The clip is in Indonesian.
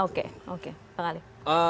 oke pak khalid